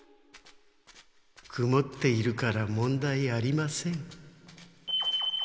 くもっているから問題ありません。